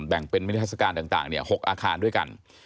แบ่งเป็นมินิทัศกาลต่าง๖อาคารด้วยกัน